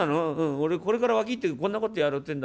俺これからワキ行ってこんな事やろうってんだ。